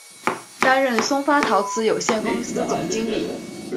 担任松发陶瓷有限公司总经理。